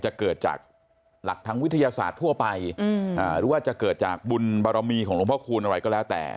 จะเกิดจากหลักทางวิทยาศาสตร์ทั่วไปหรือว่าจะเกิดจากบุญบารมีของหลวงพ่อคูณอะไรก็แล้วแต่